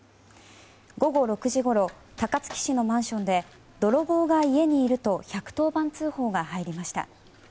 午後６時ごろ高槻市のマンションで泥棒が家にいると１１０番通報が入りました。